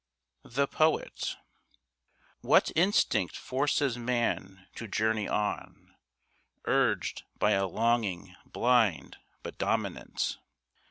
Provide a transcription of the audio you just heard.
The Poet What instinct forces man to journey on, Urged by a longing blind but dominant!